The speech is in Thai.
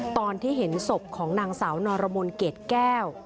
ตอนที่เห็นศพของนางสาวนรมนเกรดแก้ว